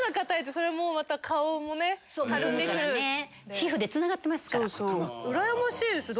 皮膚でつながってますから。